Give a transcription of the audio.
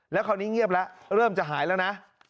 แล้วคราวนี้เงียบแล้วเริ่มจะหายแล้วนะ